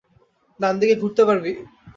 ডানদিকে ঘুরতে পারবি?